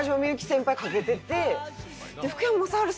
先輩かけてて。